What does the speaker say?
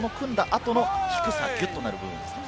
この低くギュッとさせる部分ですね。